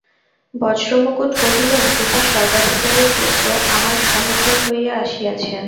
বজ্রমুকুট কহিলেন, পিতার সর্বাধিকারীর পুত্র আমার সহচর হইয়া আসিয়াছেন।